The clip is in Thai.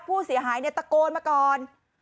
ผู้เสียหายเนี่ยตะโกนมาก่อน